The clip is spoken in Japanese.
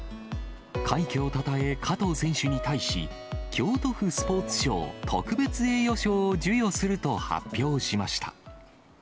快挙をたたえ、加藤選手に対し、京都府スポーツ賞、特別栄誉賞を授与すると発表しました。